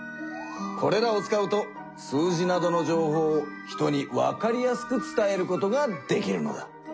これらを使うと数字などの情報を人にわかりやすく伝えることができるのだ！